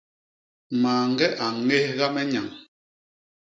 Mañge a ñégha me nyañ.